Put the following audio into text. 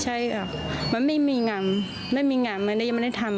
ใช่ค่ะมันไม่มีงานไม่มีงานไม่ได้ยังไม่ได้ทำ